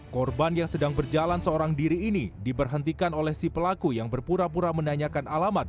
korban yang sedang berjalan seorang diri ini diberhentikan oleh si pelaku yang berpura pura menanyakan alamat